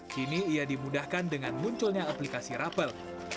kini ia dimudahkan dengan munculnya aplikasi rapel